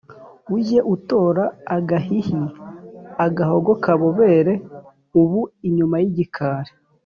Ujye utora agahihiAgahogo kabobereUbu inyuma y’igikali